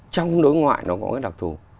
trong đối ngoại nó có cái đặc thù